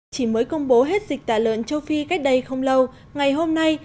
chỉ mới công bố hết dịch tả lợn châu phi cách đây không lâu ngày hôm nay